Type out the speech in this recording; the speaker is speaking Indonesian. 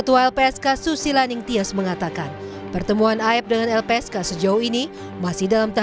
tapi menjajakin itu sebenarnya jadi semua pihak pihak yang punya kesalahan